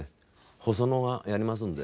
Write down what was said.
ホソノがやりますんで。